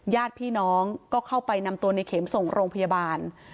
ญาติพี่น้องก็เข้าไปนำตัวในเข็มส่งโรงพยาบาล